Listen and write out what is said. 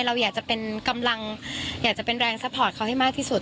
เราอยากจะเป็นกำลังอยากจะเป็นแรงซัพพอร์ตเขาให้มากที่สุด